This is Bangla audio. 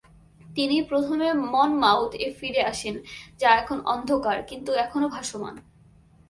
তিনি প্রথমে "মনমাউথ" এ ফিরে আসেন, যা এখন অন্ধকার কিন্তু এখনও ভাসমান।